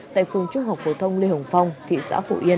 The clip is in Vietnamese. tại phường trung học phổ thông lê hồng phong thị xã phổ yên